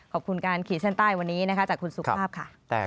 ขอบคุณการขีดเส้นใต้วันนี้นะคะจากคุณสุภาพค่ะ